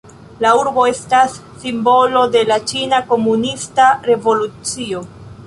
La urbo estas simbolo de la ĉina komunista revolucio.